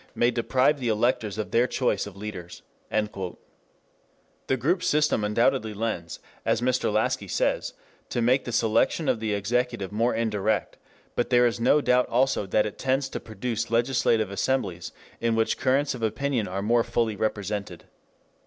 may deprive the electors of their choice of leaders." The group system undoubtedly tends, as Mr. Laski says, to make the selection of the executive more indirect, but there is no doubt also that it tends to produce legislative assemblies in which currents of opinion are more fully represented.